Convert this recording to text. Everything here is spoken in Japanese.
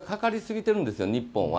これがかかりすぎているんですよ、日本は。